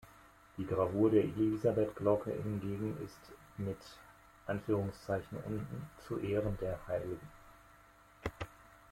Die Gravur der Elisabeth-Glocke hingegen ist mit "„Zu Ehren der hl.